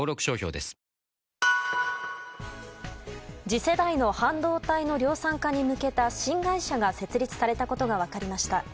次世代半導体の量産化に向けた新会社が設立されたことが分かりました。